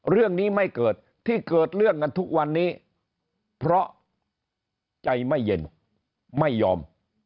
เรื่องนี้ไม่เกิดที่เกิดเรื่องกันทุกวันนี้เพราะใจไม่เย็นไม่ยอม